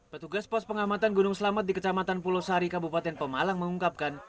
petugas pos pengamatan gunung selamat di kecamatan pulau sari kabupaten pemalang mengungkapkan